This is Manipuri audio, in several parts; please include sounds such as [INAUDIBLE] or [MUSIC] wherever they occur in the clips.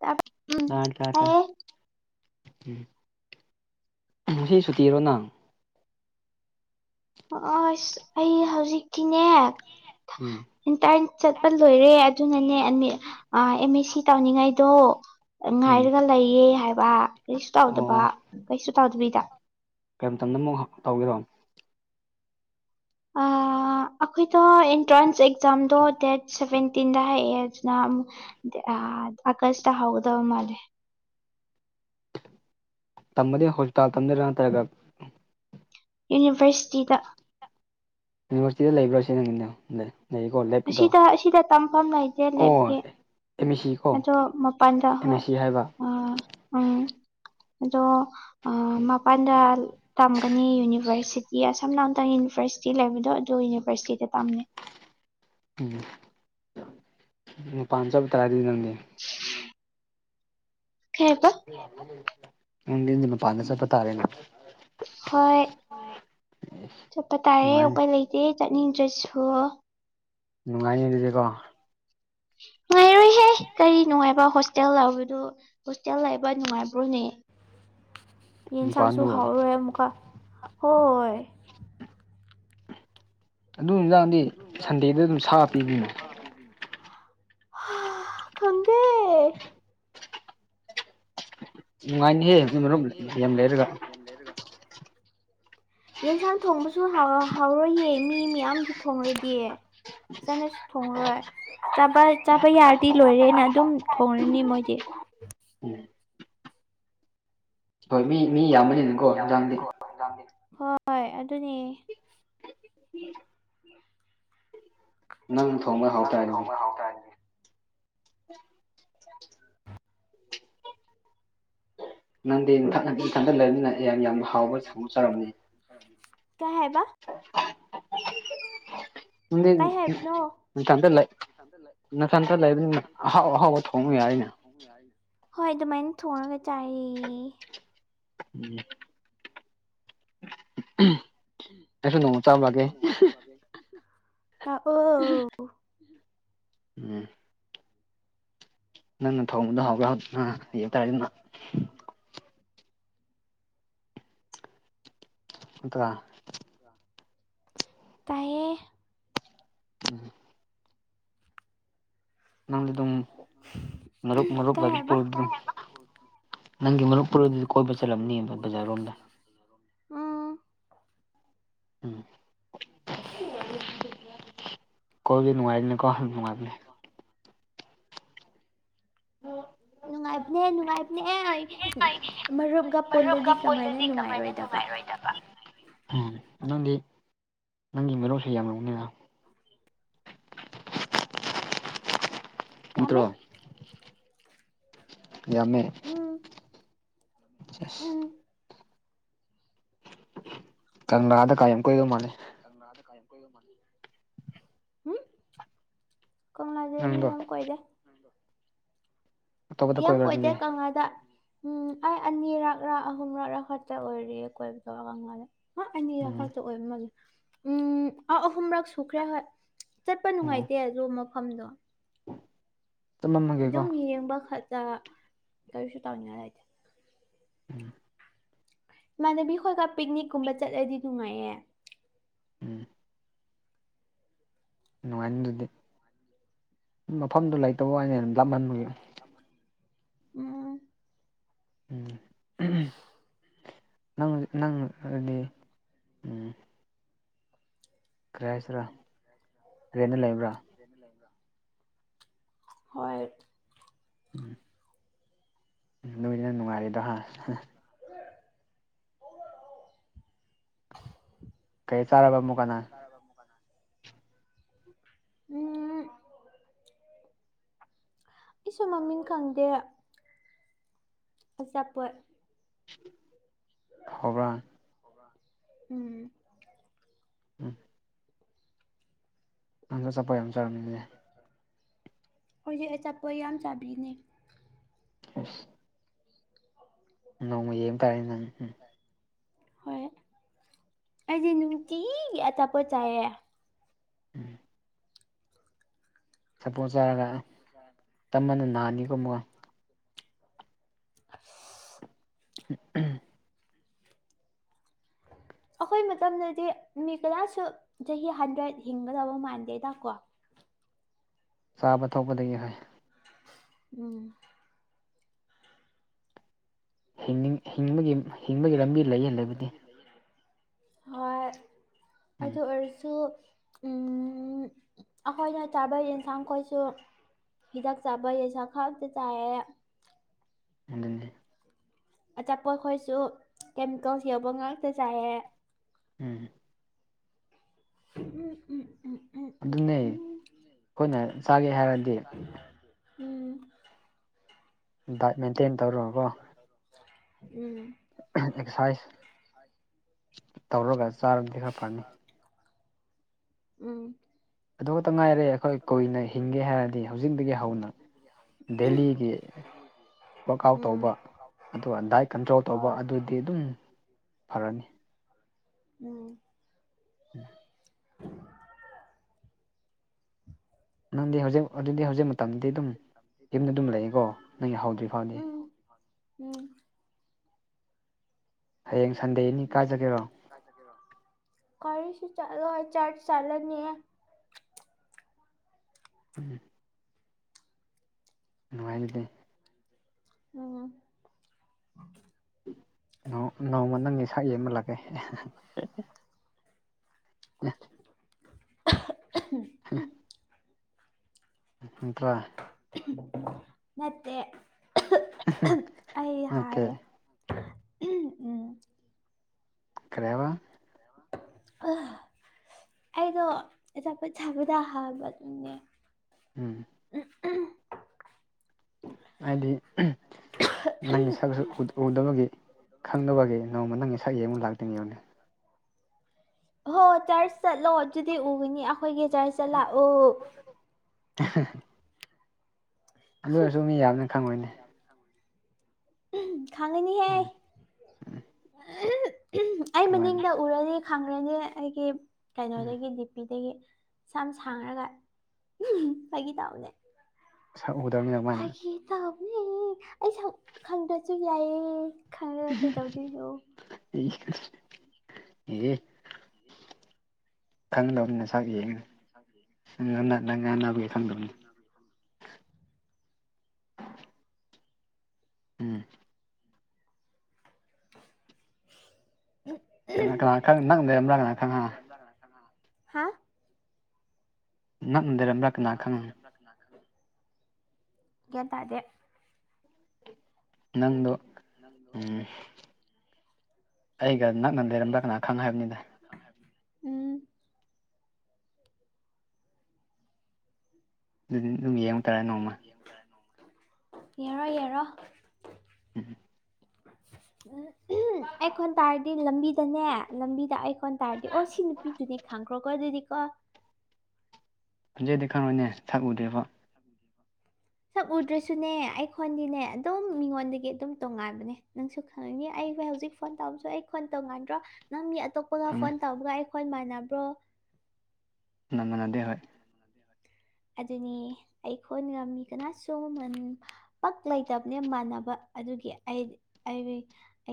ꯇꯥꯕ ꯎꯝ ꯇꯥꯏ ꯇꯥꯏ ꯇꯥꯏ ꯇꯥꯏꯌꯦ ꯎꯝ ꯉꯁꯤ ꯁꯨꯇꯤꯔꯣ ꯅꯪ ꯑꯁ ꯑꯩ ꯍꯧꯖꯤꯛꯇꯤꯅꯦ ꯎꯝ꯫ ꯏꯟꯇ꯭ꯔꯟ ꯆꯠꯄ ꯂꯣꯏꯔꯦ ꯑꯗꯨꯅꯅꯦ ꯑꯦꯝ ꯃꯦ ꯑꯥ ꯑꯦꯝ ꯃꯦ ꯁꯤ ꯇꯧꯅꯤꯡꯉꯥꯏꯗꯣ ꯎꯝ ꯉꯥꯏꯔꯒ ꯂꯩꯌꯦ ꯍꯥꯏꯕ ꯀꯔꯤꯁꯨ ꯇꯧꯗꯕ ꯑꯣ ꯑꯣ ꯀꯩꯁꯨ ꯇꯧꯗꯕꯤꯗ ꯀꯩ ꯃꯇꯝꯗꯃꯨꯛ ꯇꯧꯒꯦꯔꯣ ꯑꯥ ꯑꯩꯈꯣꯏꯗꯣ ꯑꯦꯟꯇ꯭ꯔꯥꯟꯁ ꯑꯦꯛꯖꯥꯝꯗꯣ ꯗꯦꯠ ꯁꯚꯦꯟꯇꯤꯟꯗ ꯍꯥꯏꯔꯛꯑꯦ ꯑꯗꯨꯅ ꯑꯃꯨꯛ ꯗꯦꯠ ꯑꯥ ꯑꯥꯒꯁꯇ ꯍꯧꯗꯧ ꯃꯥꯜꯂꯦ ꯇꯝꯕꯗꯤ ꯍꯣꯁꯄꯤꯇꯥꯜ ꯇꯝꯗꯨꯔꯥ ꯅꯠꯇ꯭ꯔꯥꯒ ꯌꯨꯅꯤꯚ꯭ꯔꯁꯤꯇꯤꯗ ꯌꯨꯅꯤꯚ꯭ꯔꯁꯤꯗ ꯂꯩꯕ꯭ꯔꯣ ꯁꯤꯅꯪꯒꯤꯅ ꯂꯩ ꯑꯁꯤꯗ ꯑꯁꯤꯗ ꯇꯝꯐꯝ ꯂꯩ ꯇꯦ ꯑꯣ ꯂꯦꯞꯀꯤ ꯑꯦꯝ ꯑꯦ ꯁꯤ ꯀꯣ ꯑꯗꯣ ꯃꯄꯥꯟꯗꯥ ꯑꯦꯝ ꯑꯦ ꯍꯣꯏ ꯑ ꯎꯝ [INAUDIBLE] ꯑꯗꯣ ꯑꯥ ꯃꯄꯥꯟꯗ ꯇꯝꯒꯅꯤ ꯌꯨꯅꯤꯚꯔꯁꯤꯇꯤ ꯑꯁꯣꯝ [UNINTELLIGIBLE] ꯌꯨꯅꯤꯚꯔꯁꯤꯇꯤ ꯂꯩꯕꯗꯣ ꯑꯗꯨ ꯌꯨꯅꯤꯚꯔꯁꯤꯇꯤꯗ ꯇꯝꯅꯤ ꯎꯝ ꯃꯄꯥꯥꯟ ꯆꯠꯄ ꯇꯥꯔꯦ ꯑꯗꯨꯗꯤ ꯅꯪꯗꯤ [INAUDIBLE] ꯀꯩꯕ ꯅꯪꯗꯤ ꯃꯄꯥꯟꯗ ꯆꯠꯄ ꯇꯥꯔꯦꯅ ꯍꯣꯏ ꯆꯠꯄ ꯇꯥꯔꯦ ꯅꯨꯡꯉꯥꯏꯅꯤ ꯎꯄꯥꯏ ꯂꯩꯇꯦ ꯆꯠꯅꯤꯡꯗ꯭ꯔꯁꯨ ꯅꯨꯡꯉꯥꯏꯅꯤ ꯑꯗꯨꯗꯤꯀꯣ ꯅꯨꯡꯉꯥꯏꯔꯣꯏꯍꯦ ꯀꯔꯤ ꯅꯨꯡꯉꯥꯏꯕ ꯍꯣꯁꯇꯦꯜ ꯂꯥꯛꯄꯗꯨ ꯍꯣꯁꯇꯦꯜ ꯂꯩꯕ ꯅꯨꯡꯉꯥꯏꯕ꯭ꯔꯣꯅꯦ ꯌꯦꯟꯁꯥꯡꯁꯨ ꯃꯄꯥꯟꯗꯨꯕꯨ ꯍꯥꯎꯔꯣꯢ ꯑꯃꯨꯛꯀ ꯍꯣꯏ ꯑꯗꯨ ꯅꯨꯃꯤꯗꯥꯡꯗꯤ ꯁꯟꯗꯦꯗ ꯑꯗꯨꯝ ꯁꯥ ꯄꯤꯕꯤꯔꯣ ꯍꯥ ꯈꯪꯗꯦ ꯅꯨꯉꯥꯢꯅꯤꯍꯦ ꯅꯨꯡꯉꯥꯏꯅꯤꯍꯦ ꯑꯗꯨ ꯃꯔꯨꯞ ꯌꯦꯟ ꯂꯩꯔꯒ [INAUDIBLE] ꯌꯦꯟꯁꯥꯡ ꯊꯣꯡꯕꯁꯨ ꯍꯥꯎ ꯍꯥꯎꯔꯣꯏꯌꯦ ꯃꯤ ꯃꯌꯥꯝꯒꯤ ꯊꯣꯡꯔꯗꯤ ꯆꯟꯅꯁꯨ ꯊꯣꯡꯉꯔꯣꯏ ꯆꯥꯕ ꯆꯥꯕ ꯌꯥꯔꯗꯤ ꯂꯣꯏꯔꯦꯅ ꯑꯗꯨꯝ ꯊꯣꯡꯔꯅꯤ ꯃꯣꯏꯗꯤ ꯎꯝ ꯃꯤ ꯃꯤ ꯌꯥꯝꯕꯅꯤꯅꯀꯣ ꯌꯦꯟꯖꯥꯡꯗꯤ ꯍꯣꯏ ꯑꯗꯨꯅꯦ ꯅꯪꯅ ꯊꯣꯡꯕ ꯍꯥꯎꯇꯥꯔꯦꯅꯦ [UNINTELLIGIBLE] ꯅꯪꯗꯤ ꯅꯊꯟꯅ ꯅꯊꯟꯇ ꯂꯩꯕꯅꯤꯅ [UNINTELLIGIBLE] ꯌꯥꯝꯅ ꯍꯥꯎꯕꯁꯨ ꯆꯥꯔꯝꯅꯤ ꯀꯩ ꯍꯥꯏꯕ ꯀꯩ ꯅꯪꯗꯤ ꯍꯥꯏꯕꯅꯣ ꯅꯊꯟꯗ ꯂꯩ ꯅꯊꯟꯇ ꯂꯩꯕꯅꯤꯅ ꯑꯍꯥꯎ ꯑꯍꯥꯎꯕ ꯊꯣꯡꯉꯨ ꯌꯥꯏꯅ ꯍꯣꯏ ꯗꯨꯃꯥꯏꯅ ꯊꯣꯡꯔꯒ ꯆꯥꯏꯌꯦ ꯎꯝ ꯑꯩꯁꯨ ꯅꯣꯡꯃ ꯆꯥꯕ ꯂꯥꯛꯀꯦ ꯂꯥꯛꯑꯣ ꯎꯝ ꯅꯪꯅ ꯊꯣꯡꯕꯗꯣ ꯍꯥꯎꯏ ꯍꯥꯎꯇꯦꯅ ꯑꯥ ꯌꯦꯡ ꯇꯥꯔꯦꯅꯥ [INAUDIBLE] ꯅꯠꯇ꯭ꯔꯥ ꯇꯥꯏꯌꯦ [INAUDIBLE] ꯅꯪ ꯗꯨꯝ ꯃꯔꯨꯞ ꯃꯔꯨꯞ ꯀꯩ ꯂꯛꯄꯗꯤ ꯍꯥꯏꯕ ꯑꯗꯨꯝ ꯅꯪꯒꯤ ꯃꯔꯨꯞꯄꯨꯔꯗꯗꯤ ꯀꯣꯏꯕ ꯆꯠꯂꯝꯅꯤꯌꯦ ꯕꯥ ꯕꯖꯥꯔꯔꯣꯝꯗ ꯎꯝ ꯎꯝ ꯀꯣꯏꯕꯖꯦ ꯅꯨꯡꯉꯥꯏꯗꯅꯀꯣ ꯅꯨꯡꯉꯥꯏꯕꯅꯦ ꯅꯨꯡꯉꯥꯏꯕꯅꯦ ꯅꯨꯡꯉꯥꯏꯕꯅꯦ ꯍꯣꯏ ꯃꯔꯨꯞꯒ ꯃꯔꯨꯞꯀ ꯄꯨꯜꯂꯗꯤ ꯀꯃꯥꯏꯅ ꯄꯨꯜꯂꯗꯤ ꯀꯃꯥꯏꯅ ꯅꯨꯡꯉꯥꯏꯔꯣꯏꯗꯕ ꯅꯨꯡꯉꯥꯏꯔꯣꯏꯗꯕ ꯎꯝ ꯅꯪꯗꯤ ꯅꯪꯒꯤ ꯃꯔꯨꯞꯁꯤ ꯌꯥꯝꯂꯝꯒꯅꯤꯅ ꯌꯥꯝꯃꯦ ꯅꯠꯇ꯭ꯔꯣ ꯌꯥꯝꯃꯦ ꯎꯝ ꯆꯦꯁ ꯎꯝ ꯀꯪꯂꯥꯗꯀꯥ ꯌꯥꯝ ꯀꯣꯏꯕ ꯃꯥꯜꯂꯦ ꯀꯪꯂꯥꯗꯀꯥ ꯌꯥꯝ ꯀꯣꯏꯕ ꯃꯥꯜꯂꯤ ꯀꯪꯂꯥꯗꯗꯤ ꯅꯪꯗꯣ ꯌꯥꯝ ꯀꯣꯏꯗꯦ ꯑꯇꯣꯞꯄꯗ ꯌꯥꯝ ꯀꯣꯏꯕ꯭ꯔꯥ ꯀꯣꯏꯗꯦ ꯑꯗꯨꯗꯤ ꯀꯪꯂꯥꯗ ꯎꯝ ꯑꯩ ꯑꯅꯤꯔꯛꯔꯥ ꯑꯍꯨꯝꯔꯛꯔꯥ ꯈꯛꯇ ꯑꯣꯏꯔꯤꯌꯦ ꯀꯣꯏꯕꯗꯣ ꯀꯪꯂꯥꯗ ꯍꯣꯏ ꯑꯅꯤꯔꯛ ꯎꯝ ꯈꯛꯇ ꯑꯣꯏꯕ ꯃꯥꯂꯦ ꯎꯝ ꯑꯥ ꯑꯍꯨꯝꯔꯛ ꯁꯨꯈ꯭ꯔꯦ ꯍꯣꯏ ꯆꯠꯄ ꯑꯣ ꯅꯨꯡꯉꯥꯏꯇꯦ ꯑꯗꯨ ꯃꯐꯝꯗꯣ ꯆꯠꯃꯝꯃꯒꯦꯀꯣ ꯑꯗꯨꯝ ꯌꯦꯡꯕ ꯈꯠꯇ ꯀꯔꯤꯁꯨ ꯇꯧꯅꯤꯡꯉꯥꯏ ꯂꯩꯇꯦ ꯎꯝ ꯏꯃꯥꯟꯅꯕꯤ ꯈꯣꯏꯒ ꯄꯤꯛꯅꯤꯛ ꯀꯨꯝꯕ ꯆꯠꯂꯗꯤ ꯅꯨꯡꯉꯥꯏꯌꯦ ꯎꯝ ꯅꯨꯡꯉꯥꯏꯅꯤꯗꯨꯗꯤ ꯃꯐꯝꯗꯨ ꯂꯩꯇꯕꯋꯥꯅꯦ ꯂꯥꯞꯃꯟꯕꯒꯤ ꯂꯥꯞꯃꯟꯕꯩ ꯎꯝ ꯎꯝ ꯎꯝ ꯎꯝ ꯅꯪ ꯅꯪ ꯑꯗꯤ ꯀ꯭ꯔꯤ ꯍꯥꯏꯁꯤꯔ ꯔꯦꯟꯗ ꯂꯩꯕ꯭ꯔꯥ ꯔꯦꯟꯗ ꯂꯩꯕ꯭ꯔ ꯍꯣꯏ ꯎꯝ ꯅꯣꯏꯅ ꯅꯨꯡꯉꯥꯏꯔꯤꯗꯣ ꯍꯥꯥ ꯀꯩ ꯆꯥꯔꯕ ꯃꯨꯛꯀ ꯅꯪ ꯆꯥꯔꯕ ꯃꯨꯛꯀ ꯅꯪ ꯎꯝ ꯑꯩꯁꯨ ꯃꯃꯤꯡ ꯈꯪꯗꯦ ꯑꯆꯥꯄꯣꯠ ꯍꯥꯎꯕ꯭ꯔꯥ ꯑꯁ ꯎꯝ [UNINTELLIGIBLE] ꯅꯪꯖꯨ ꯑꯆꯥꯄꯣꯠ ꯌꯥꯝ ꯆꯥꯕ ꯃꯤꯅꯤꯅꯦ ꯍꯣꯢꯗꯤ ꯑꯆꯥꯄꯣꯠ ꯌꯥꯝ ꯆꯥꯕꯤꯅꯦ ꯑꯁ ꯅꯣꯡꯃ ꯌꯦꯡꯕ ꯇꯥꯔꯦ ꯅꯪ ꯎꯪ ꯍꯣꯏ ꯑꯩꯗꯤ ꯅꯨꯡꯇꯤꯒꯤ ꯑꯆꯥꯄꯣꯠ ꯆꯥꯏꯌꯦ ꯎꯝ ꯁꯥꯄꯣꯠ ꯆꯥꯔꯒ ꯁꯤꯠꯂꯥꯏꯝ ꯆꯃꯟꯅ ꯅꯥꯅꯤꯀꯣ ꯃꯨꯛ ꯑꯁ [UNINTELLIGIBLE] ꯑꯈꯣꯏ ꯃꯇꯝꯗꯗꯤ ꯃꯤ ꯀꯅꯥꯁꯨ ꯆꯍꯤ ꯍꯟꯗ꯭ꯔꯦꯠ ꯍꯤꯡꯒꯗꯕ ꯃꯥꯟꯗꯦꯗꯀꯣ ꯆꯥꯕ ꯊꯣꯛꯄꯗꯒꯤ ꯍꯣꯏ ꯎꯝ ꯍꯤꯡꯅꯤꯡ ꯍꯤꯡꯕꯒꯤ ꯍꯤꯡꯕꯒꯤ ꯂꯝꯕꯤ ꯂꯩꯌꯦ ꯍꯤꯡꯕꯒꯤ ꯂꯩꯕꯗꯤ ꯂꯝꯕꯤ ꯂꯩꯌꯦ ꯍꯣꯏ ꯎꯝ ꯑꯗꯨ ꯑꯣꯏꯔꯁꯨ ꯎꯝ ꯑꯈꯣꯏꯅ ꯆꯥꯕ ꯌꯦꯟꯁꯥꯡꯈꯣꯏꯁꯨ ꯍꯤꯗꯛ ꯆꯥꯕ ꯌꯦꯟꯁꯥꯡꯈꯛꯇ ꯆꯥꯏꯌꯦ ꯑꯗꯨꯗꯤ ꯑꯆꯥꯄꯣꯠ ꯈꯣꯏꯁꯨ ꯀꯦꯃꯤꯀꯜ꯭ꯁ ꯌꯥꯎꯕ ꯉꯥꯛꯇ ꯆꯥꯏꯌꯦ ꯎꯝ ꯎꯝ ꯎꯝ ꯎꯝ ꯑꯗꯨꯅꯦ ꯈꯣꯏꯅ ꯆꯥꯒꯦ ꯍꯥꯏꯔꯗꯤ ꯎꯝ ꯗꯥꯢꯠ ꯃꯦꯟꯇꯦꯟ ꯇꯧꯔꯒꯀꯣ ꯎꯝ ꯑꯦꯛꯁꯥꯏꯖ ꯇꯧꯔꯒ ꯆꯥꯔꯕꯗꯤ ꯈꯔ ꯐꯅꯤ ꯎꯝ ꯑꯗꯨ ꯈꯛꯇ ꯉꯥꯏꯔꯦ ꯑꯈꯣꯏ ꯀꯨꯏꯅ ꯍꯤꯡꯒꯦ ꯍꯥꯏꯔꯗꯤ ꯍꯧꯖꯤꯛꯗꯒꯤ ꯍꯧꯅ ꯗꯦꯂꯤꯒꯤ ꯋꯥꯀꯥꯎꯠ ꯎꯝ ꯇꯧꯕ ꯑꯗꯨꯒ ꯗꯥꯏꯠ ꯀꯟꯇ꯭ꯔꯣꯜ ꯇꯧꯕ ꯍꯣꯏ ꯑꯗꯨ ꯗꯤ ꯗꯨꯝ ꯐꯔꯅꯤ ꯎꯝ [INAUDIBLE] ꯅꯪꯗꯤ ꯍꯧꯖꯤꯛ ꯑꯗꯨꯗꯤ ꯍꯧꯖꯤꯛ ꯃꯇꯝꯗꯤ ꯑꯗꯨꯝ ꯌꯨꯝꯗ ꯑꯗꯨꯝ ꯂꯩꯌꯦꯀꯣ ꯅꯪꯒꯤ ꯍꯧꯗ꯭ꯔꯤ ꯐꯥꯎꯗꯤ ꯎꯝ ꯎꯝ ꯍꯌꯦꯡ ꯁꯟꯗꯦꯅꯤ ꯀꯥꯏ ꯆꯠꯀꯦꯔꯣ ꯀꯔꯤꯁꯨ ꯆꯠꯂꯣꯏ ꯆꯔꯆ ꯆꯠꯂꯅꯤ [INAUDIBLE] ꯅꯨꯡꯉꯥꯏꯅꯤꯗꯦ [UNINTELLIGIBLE] ꯅꯣꯡ ꯅꯣꯡꯃ ꯅꯪꯒꯤ ꯁꯛ ꯌꯦꯡꯕ ꯂꯥꯛꯀꯦ ꯑꯦ ꯍꯦ ꯍꯦꯍꯦ [UNINTELLIGIBLE] ꯅꯠꯇ꯭ꯔꯥ ꯅꯠꯇꯦ ꯎꯝ ꯍꯝ ꯅꯠꯇꯦ ꯎꯝ ꯎꯝ ꯀꯔꯤ ꯍꯥꯢꯕ ꯑꯥ ꯑꯩꯗꯣ ꯑꯆꯥꯄꯣꯠ ꯆꯥꯕꯗ ꯍꯥꯕꯅꯦ ꯎꯝ [UNINTELLIGIBLE] ꯍꯥꯏꯗꯤ ꯅꯪꯒꯤ ꯁꯛꯁꯨ ꯎꯗ ꯎꯗꯕꯒꯤ ꯈꯪꯗꯕꯒꯤ ꯅꯣꯡꯃ ꯅꯪꯒꯤ ꯁꯛ ꯌꯦꯡꯕ ꯂꯥꯛꯇꯨꯅꯦꯃꯤ ꯍꯣ ꯆꯔꯆ ꯆꯠꯂꯣ ꯑꯗꯨꯗꯤ ꯎꯒꯅꯤ ꯑꯩꯈꯣꯏꯒꯤ ꯆꯔꯆꯇ ꯂꯥꯛꯑꯣ ꯑꯍꯦ ꯑꯗꯨ ꯑꯣꯏꯔꯁꯨ ꯃꯤ ꯌꯥꯝꯅ ꯈꯪꯉꯣꯏꯅꯤ ꯈꯪꯉꯥꯅꯤ [INAUDIBLE] ꯑꯩ ꯀꯃꯥꯏꯅ ꯃꯅꯤꯡꯗ ꯎꯔꯗꯤ ꯈꯪꯔꯅꯤ ꯑꯩꯒꯤ ꯎꯝ ꯀꯩꯅꯣꯗꯒꯤ ꯗꯤꯄꯤꯗꯒꯤ ꯁꯝ ꯁꯥꯡꯔꯒ ꯎꯝ ꯐꯒꯤ ꯇꯧꯕꯅꯦ ꯁꯛꯎꯗꯕꯅꯤꯅ ꯐꯒꯤ ꯇꯧꯕꯅꯦ ꯑꯩ ꯁꯛ ꯈꯪꯗ꯭ꯔꯖꯨ ꯌꯥꯏꯌꯦ ꯈꯪꯉ ꯀꯩꯗꯧꯗꯣꯏꯅꯣ [UNINTELLIGIBLE] ꯅꯪ ꯉꯥꯡꯅꯕꯒꯤ ꯈꯪꯗꯕꯅꯤ [UNINTELLIGIBLE] ꯎꯝ [INAUDIBLE] ꯀꯅꯥ ꯀꯅꯥ ꯈꯪ ꯅꯪ ꯂꯩꯔꯝꯕ꯭ꯔꯥ ꯀꯅꯥ ꯈꯪ [UNINTELLIGIBLE] [UNINTELLIGIBLE] ꯍꯥ [UNINTELLIGIBLE] [UNINTELLIGIBLE] ꯒ꯭ꯌꯥꯟ ꯇꯥꯗꯦ ꯅꯪꯗꯣ ꯅꯪꯗꯣ ꯎꯝ ꯑꯩꯒ ꯅꯛꯅ ꯂꯩꯔꯝꯕ ꯀꯅꯥ ꯈꯪ ꯍꯥꯏꯕꯅꯤꯗ ꯎꯝ ꯑꯗꯨꯗꯤ ꯑꯗꯨꯝ ꯌꯦꯡꯕ ꯇꯥꯔꯦ ꯅꯣꯡꯃ ꯌꯦꯔꯣ ꯌꯦꯔꯣ ꯎꯝ [UNINTELLIGIBLE] [UNINTELLIGIBLE] ꯑꯩꯈꯣꯟ ꯇꯥꯔꯗꯤ ꯂꯝꯕꯤꯗꯅꯦ ꯂꯝꯕꯤꯗ ꯑꯩ ꯈꯣꯟ ꯇꯥꯔꯗꯤ ꯑꯣ ꯁꯤ ꯅꯨꯄꯤꯗꯨꯅꯤ ꯈꯪꯈ꯭ꯔꯣꯀꯣ ꯑꯗꯨꯗꯤꯀꯣ ꯑꯗꯨꯗꯤ ꯈꯪꯔꯣꯏꯅꯦ ꯁꯛ ꯎꯗꯦꯕ ꯁꯛ ꯎꯗ꯭ꯔꯁꯨꯅꯦ ꯑꯩ ꯈꯣꯟꯗꯤꯅꯦ ꯑꯗꯨꯝ ꯃꯤꯉꯣꯟꯗꯒꯤ ꯑꯗꯨꯝ ꯇꯣꯡꯉꯥꯟꯕꯅꯦ ꯅꯪꯁꯨ ꯈꯪꯅꯤ ꯑꯩ ꯍꯧꯖꯤꯛ ꯐꯣꯟ ꯇꯧꯕꯁꯨ ꯑꯩꯈꯣꯟ ꯇꯧꯉꯥꯟꯗ꯭ꯔꯣ ꯅꯪꯒꯤ ꯑꯇꯣꯞꯄꯒ ꯈꯪꯉꯦ ꯐꯣꯟ ꯇꯧꯕꯒ ꯑꯩ ꯈꯣꯟ ꯃꯥꯟꯅꯕ꯭ꯔꯣ ꯅꯃꯥꯟꯅꯗꯦ ꯍꯣꯏ ꯑꯗꯨꯅꯤ ꯑꯩꯈꯣꯟꯒ ꯃꯤ ꯀꯅꯥꯁꯨ ꯃꯟ ꯄꯥꯛ ꯂꯩꯇꯝꯅꯦ ꯃꯥꯟꯅꯕ ꯑꯗꯨꯒꯤ ꯑꯩ ꯑꯩꯒꯤ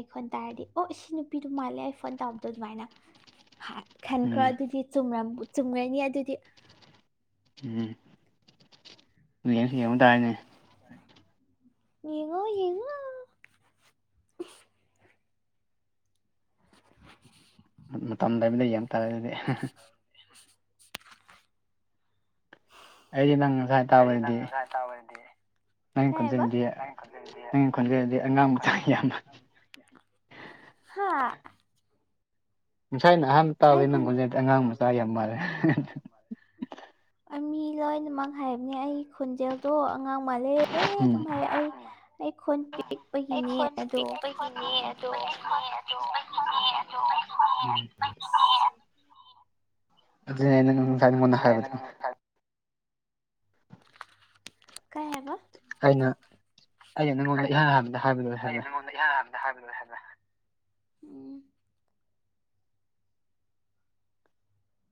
ꯑꯩꯈꯣꯟ ꯇꯥꯔꯗꯤ ꯑꯣ ꯑꯁꯤ ꯅꯨꯄꯤꯗꯨ ꯃꯥꯜꯂꯦ ꯐꯣꯟ ꯇꯥꯎꯕꯗꯣ ꯑꯗꯨꯃꯥꯏꯅ ꯈꯪꯈ꯭ꯔꯣ ꯎꯝ ꯑꯗꯨꯗꯤ ꯆꯨꯝꯔꯝ ꯆꯨꯝꯔꯅꯤ ꯑꯗꯨꯗꯤ ꯎꯝ ꯌꯦꯡ ꯌꯦꯡꯕ ꯇꯥꯏꯅꯦ ꯌꯦꯡꯉꯣ ꯌꯦꯡꯉꯣ ꯃꯇꯝ ꯂꯩꯕꯗ ꯌꯦꯡꯕ ꯇꯥꯔꯦꯅꯦ [UNINTELLIGIBLE] ꯑꯩꯗꯤ ꯅꯪ ꯉꯁꯥꯏ ꯇꯕꯗꯤ ꯇꯥꯕꯗꯤ ꯅꯪ ꯈꯣꯟꯖꯦꯟꯗꯤ ꯅꯪꯒꯤ ꯈꯣꯟꯖꯦꯟꯗꯤ ꯑꯉꯥꯡ ꯃꯆꯥꯒꯤ ꯌꯥꯝ ꯃꯥꯜꯂꯦ ꯍꯥꯥ ꯉꯁꯥꯏꯅ ꯑꯍꯥꯟꯕ ꯑꯩ ꯇꯥꯕꯗꯤ ꯅꯪ ꯈꯨꯟ ꯈꯣꯟꯖꯦꯟꯗꯤ ꯑꯉꯥꯡ ꯃꯆꯥꯒꯤ ꯌꯥꯝ ꯃꯥꯜꯂꯦ ꯑ ꯃꯤ ꯂꯣꯏꯅꯃꯛ ꯍꯥꯏꯕꯅꯦ ꯑꯩ ꯈꯣꯟꯖꯦꯜꯗꯣ ꯑꯉꯥꯡ ꯃꯥꯜꯂꯦ ꯂꯦ ꯑꯗꯨꯝ ꯎꯝ ꯍꯥꯏ ꯑꯩ ꯑꯩ ꯈꯣꯟ ꯑꯩ ꯄꯤꯛꯄꯒꯤꯅꯦ ꯈꯣꯟ ꯑꯗꯣ ꯈꯪ ꯄꯤꯛꯄꯒꯤꯅꯦ [UNINTELLIGIBLE] ꯑꯗꯨꯅꯦ ꯑꯩꯅ ꯅꯪ ꯉꯁꯥꯏ ꯅꯉꯣꯟꯗ ꯍꯥꯏꯕꯗꯣ ꯀꯩ ꯍꯥꯏꯕ ꯑꯩꯅ ꯑꯩꯅ ꯅꯪꯉꯣꯟꯗ ꯏꯍꯥꯟ ꯍꯥꯟꯕꯗ ꯍꯥꯏꯕꯗꯨꯅꯦ ꯍꯥꯏꯕ ꯢꯍꯥꯟ ꯍꯥꯟꯕꯗ ꯍꯥꯢꯕꯗꯨꯄꯦ ꯍꯥꯢꯕ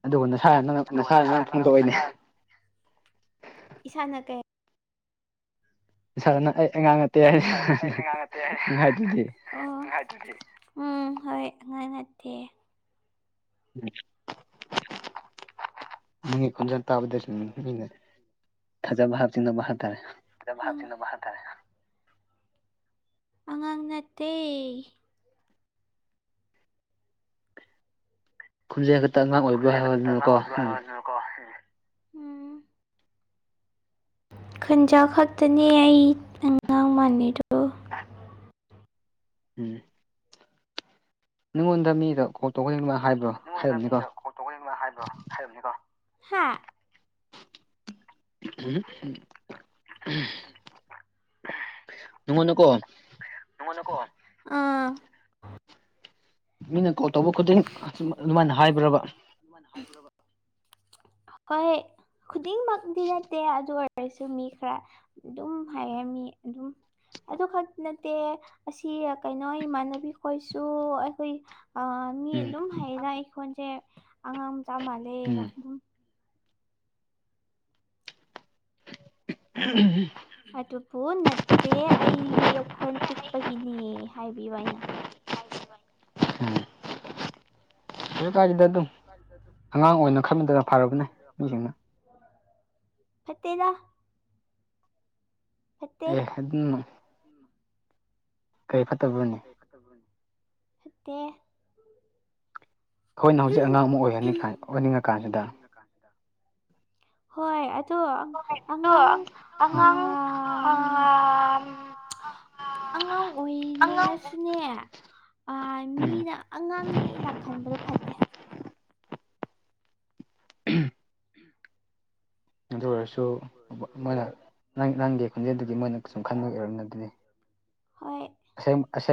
ꯑꯗꯨꯒ ꯅꯁꯥꯅ ꯅꯪꯅ ꯅꯁꯥꯅ ꯅꯪꯅ ꯐꯣꯡꯗꯣꯛꯏꯅꯦ ꯏꯁꯥꯅ ꯀꯩ ꯏꯁꯥꯅ ꯅꯪ ꯑꯩ ꯑꯉꯥꯡ ꯅꯠꯇꯦ ꯅꯪ ꯍꯥꯏ ꯍꯥꯏꯗꯨꯗꯤ ꯑꯣ ꯎꯝ ꯍꯣꯏ ꯑꯉꯥꯡ ꯅꯠꯇꯦ ꯎꯝ ꯅꯪꯒꯤ ꯈꯣꯟꯖꯦꯟ ꯇꯥꯕꯗꯁꯨ ꯃꯤꯅ ꯐꯖꯕ ꯍꯥꯞꯆꯤꯟꯗꯧꯕ ꯍꯥꯞ ꯇꯔꯦ ꯑꯗꯨꯕꯨ ꯍꯥꯞꯆꯤꯟꯗꯧꯕ ꯍꯥꯞꯇꯥꯔꯦ ꯑꯉꯥꯡ ꯅꯠꯇꯦ ꯈꯣꯟꯖꯦꯜ ꯈꯛꯇ ꯑꯉꯥꯡ ꯑꯣꯏꯕ ꯍꯥꯏꯕꯗꯨꯅꯦꯀꯣ ꯎꯝ ꯀꯣ ꯎꯝ ꯈꯣꯟꯖꯦꯜ ꯈꯛꯇꯅꯦ ꯑꯩ ꯑꯉꯥꯡ ꯃꯥꯟꯅꯤꯗꯣ ꯎꯝ ꯅꯉꯣꯟꯗ ꯃꯤꯗ ꯀꯣꯜ ꯇꯧꯕꯒꯤ ꯑꯩꯉꯣꯟꯗ ꯍꯥꯏꯕ꯭ꯔꯣ ꯅꯉꯣꯟꯗ ꯍꯥꯏꯔꯝꯅꯤꯀꯣ ꯃꯤꯗ ꯀꯣꯜꯇꯧꯕꯩ ꯑꯉꯣꯟꯗ ꯍꯥꯏꯕ꯭ꯔꯣ ꯍꯥꯏꯔꯝꯅꯤꯀꯣ ꯍꯥ [UNINTELLIGIBLE] ꯅꯉꯣꯟꯗꯀꯣ ꯅꯉꯣꯟꯗꯀꯣ ꯑ ꯃꯤꯅ ꯀꯣꯜ ꯇꯧꯕ ꯈꯨꯗꯤꯡ ꯑꯁꯨꯝ ꯑꯗꯨꯃꯥꯏꯅ ꯍꯥꯏꯕ꯭ꯔꯕ ꯍꯣꯏ ꯈꯨꯨꯗꯤꯡꯃꯛꯇꯤ ꯅꯠꯇꯦ ꯑꯗꯨ ꯑꯣꯏꯔꯁꯨ ꯑꯣꯏꯔꯁꯨ ꯃꯤ ꯈꯔ ꯑꯗꯨꯝ ꯍꯥꯏꯔꯝ ꯃꯤ ꯑꯗꯨꯝ ꯑꯗꯨ ꯈꯛꯇ ꯅꯠꯇꯦ ꯑꯁꯤ ꯀꯩꯅꯣ ꯏꯃꯥꯟꯅꯕꯤ ꯈꯣꯏꯁꯨ ꯑꯩꯈꯣꯏ ꯑ ꯃꯤ ꯎꯝ ꯑꯗꯨꯝ ꯍꯩꯌꯦꯗ ꯑꯩꯈꯣꯟꯖꯦ ꯑꯉꯥꯡ ꯃꯆꯥ ꯃꯥꯟꯂꯦꯅ ꯎꯝ ꯑꯗꯨꯝ [UNINTELLIGIBLE] ꯑꯗꯨꯕꯨ ꯅꯠꯇꯦ ꯑꯩ ꯑꯈꯣꯟ ꯄꯤꯛꯄꯒꯤꯅꯦ ꯍꯥꯏꯕꯤꯕ ꯑꯩꯅ [UNINTELLIGIBLE] ꯑꯗꯨꯝ ꯑꯉꯥꯡ ꯑꯣꯏꯅ ꯈꯟꯕꯗꯨ ꯌꯥꯝ ꯐꯔꯕꯅꯦ ꯃꯤꯁꯤꯡꯅ ꯐꯠꯇꯦꯗ ꯐꯠꯇꯦ ꯑꯦ ꯑꯗꯨꯝ ꯀꯔꯤ ꯐꯠꯇꯕ꯭ꯔꯅꯦ ꯐꯠꯇꯦ ꯑꯩꯈꯣꯏꯅ ꯍꯧꯖꯤꯛ ꯑꯉꯥꯡ ꯑꯃꯨꯛ ꯑꯣꯏꯍꯟꯅꯤꯡ ꯑꯣꯏꯅꯤꯡꯉꯀꯥꯟꯁꯤꯗ ꯍꯣꯏ ꯑ ꯑꯗꯣ ꯑꯗꯣ ꯑꯉꯥꯡ ꯑꯥ ꯑꯉꯥꯡ ꯑꯝ ꯑꯥ ꯑꯉꯥꯡ ꯑꯉꯥꯡ ꯑꯣꯏꯅꯤꯡꯉꯁꯨ ꯑꯗꯨꯅꯦ ꯑꯥ ꯎꯝ ꯃꯤꯅ ꯑꯉꯥꯡꯅꯦꯅ ꯈꯟꯕꯗꯣ ꯐꯠꯇꯦ ꯎꯝ ꯑꯗꯨ ꯑꯣꯏꯔꯁꯨ ꯃꯣꯏ ꯃꯣꯏꯅ ꯅꯪ ꯅꯪꯒꯤ ꯈꯣꯟꯖꯦꯜꯗꯨꯒꯤ ꯃꯣꯏꯅ ꯁꯨꯝ ꯈꯟꯕꯒꯤ ꯑꯣꯏꯔꯝꯅꯦ ꯑꯗꯨꯗꯤ ꯍꯣꯏ ꯑꯁꯦꯝ ꯑꯁꯦꯝ